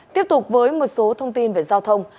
tiếp tục với một số thông tin về giao thông